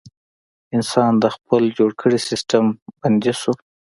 انسان د خپل جوړ کړي سیستم بندي شو.